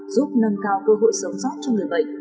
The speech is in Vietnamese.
giúp nâng cao cơ hội sống sót cho người bệnh